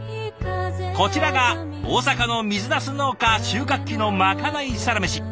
こちらが大阪の水なす農家収穫期のまかないサラメシ！